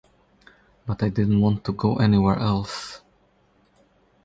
But I didn't want to go anywhere else.